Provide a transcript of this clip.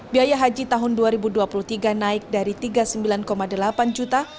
biaya haji tahun dua ribu dua puluh tiga naik dari rp tiga puluh sembilan delapan juta